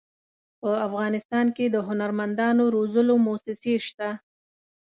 په افغانستان کې د هنرمندانو روزلو مؤسسې شته.